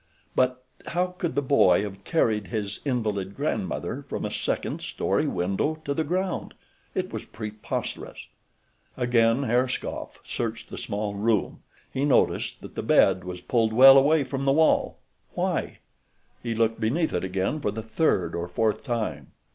But how could the boy have carried his invalid grandmother from a second story window to the ground? It was preposterous. Again Herr Skopf searched the small room. He noticed that the bed was pulled well away from the wall—why? He looked beneath it again for the third or fourth time.